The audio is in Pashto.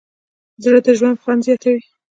زړه د ژوند خوند زیاتوي.